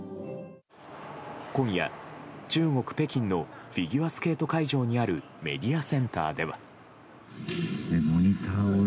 今夜、中国・北京のフィギュアスケート会場にあるメディアセンターでは。